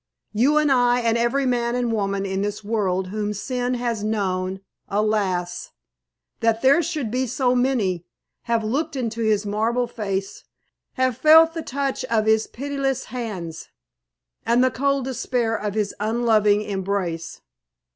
You and I and every man and woman in this world whom sin has known alas! that there should be so many have looked into his marble face, have felt the touch of his pitiless hands, and the cold despair of his unloving embrace.